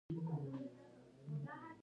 مخلوط باید د ارتجاعیت قابلیت ولري